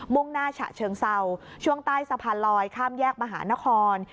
่งหน้าฉะเชิงเศร้าช่วงใต้สะพานลอยข้ามแยกมหานคร